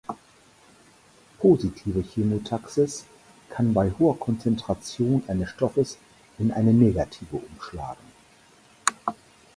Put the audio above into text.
Positive Chemotaxis kann bei hoher Konzentration eines Stoffes in eine negative umschlagen.